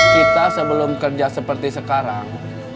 kita sebelum kerja seperti sekarang